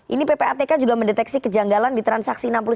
ini ppatk juga mendeteksi kejanggalan di transaksi enam puluh sembilan